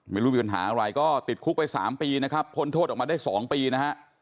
ไม่รู้มีปัญหาอะไรก็ติดคุกไป๓ปีนะครับพ้นโทษออกมาได้๒ปีนะฮะ